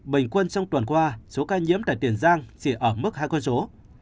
bình quân trong tuần qua số ca nhiễm tại tiền giang chỉ ở mức hai con số